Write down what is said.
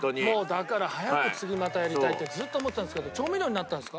「だから早く次またやりたいってずっと思ってたんですけど調味料になったんですか？」